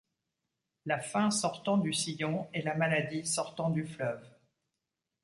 La faim sortant du sillon et la maladie sortant du fleuve.